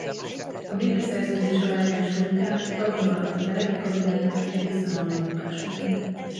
A békeszerződés aláírása után tagja maradt a Teleki-kabinetnek egészen annak bukásáig.